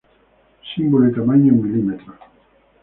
Símbolo y tamaño en milímetros.